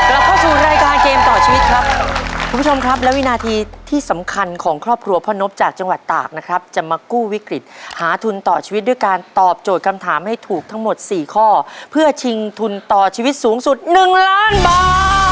เราเข้าสู่รายการเกมต่อชีวิตครับคุณผู้ชมครับและวินาทีที่สำคัญของครอบครัวพ่อนพจากจังหวัดตากนะครับจะมากู้วิกฤตหาทุนต่อชีวิตด้วยการตอบโจทย์คำถามให้ถูกทั้งหมดสี่ข้อเพื่อชิงทุนต่อชีวิตสูงสุด๑ล้านบาท